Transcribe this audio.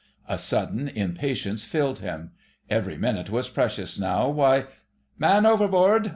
A sudden impatience filled him. Every minute was precious now. Why—— "MAN OVERBOARD.